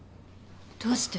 どうして？